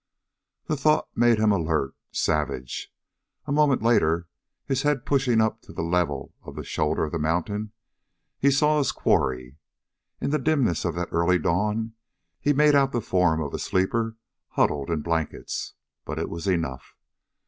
The thought made him alert, savage. A moment later, his head pushing up to the level of the shoulder of the mountain, he saw his quarry. In the dimness of that early dawn he made out the form of a sleeper huddled in blankets, but it was enough.